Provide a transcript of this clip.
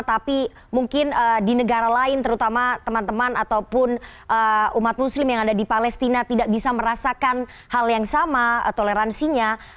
tapi mungkin di negara lain terutama teman teman ataupun umat muslim yang ada di palestina tidak bisa merasakan hal yang sama toleransinya